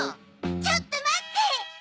ちょっと待って！